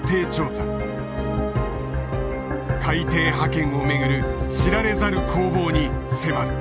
海底覇権をめぐる知られざる攻防に迫る。